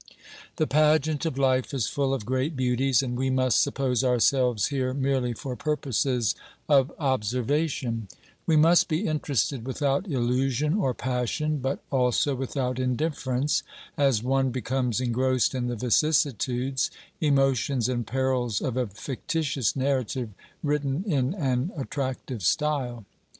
The pageant of life is full of great beauties, and we must suppose ourselves here merely for purposes of observation. OBERMANN 337 We must be interested without illusion or passion, but also without indifference, as one becomes engrossed in the vicissitudes, emotions and perils of a fictitious narrative written in an attractive style.